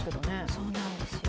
そうなんですよ。